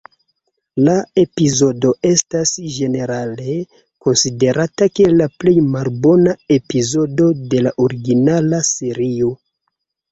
La epizodo estas ĝenerale konsiderata kiel la plej malbona epizodo de la originala serio.